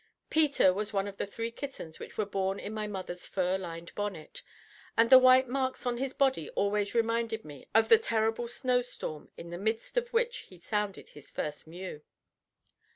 Peter was one of the three kittens which were born in my mother's fur lined bonnet, and the white marks on his body always remind me of the terrible snowstorm in the midst of which he sounded his first mew.